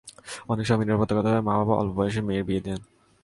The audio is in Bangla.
অনেক সময় নিরাপত্তার কথা ভেবে মা–বাবা অল্প বয়সে মেয়ের বিয়ে দেন।